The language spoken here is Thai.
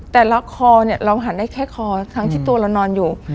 แล้วคอเราหันได้แค่คอทั้งที่ตัวเรานอนอยู่